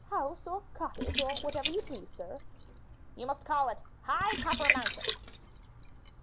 "House or cottage, or whatever you please, sir." "You must call it 'high topper mountain.'